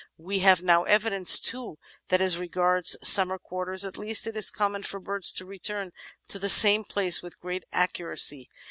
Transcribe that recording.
We have now evidence, too, that as regards summer quarters, at least, it is common for birds to return to the same places with great accuracy.